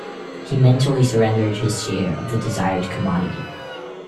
He mentally surrendered his share of the desired commodity.